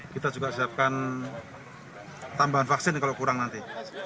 kita juga siapkan tambahan vaksin kalau kurang nanti